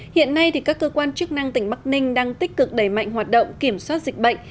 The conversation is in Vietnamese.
hiện nay các cơ quan chức năng tỉnh bắc ninh đang tích cực đẩy mạnh hoạt động kiểm soát dịch bệnh